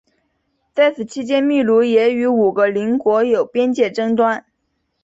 在此期间秘鲁也与五个邻国有边界争端。